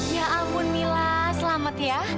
ya ampun mila selamat ya